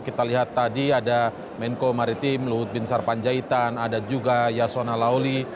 kita lihat tadi ada menko maritim luhut bin sarpanjaitan ada juga yasona lauli